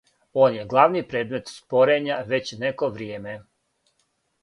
Он је главни предмет спорења већ неко вријеме.